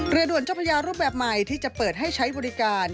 เรือด่วนเจ้าพระยารูปแบบใหม่ที่จะเปิดให้ใช้บริการ